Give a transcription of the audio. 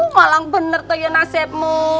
malang bener teh nasibmu